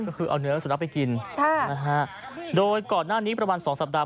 ก็คือเอาเนื้อสุนัขไปกินค่ะนะฮะโดยก่อนหน้านี้ประมาณสองสัปดาห